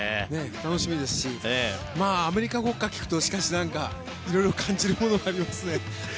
楽しみですしアメリカの国歌を聞くと色々感じるものがありますね。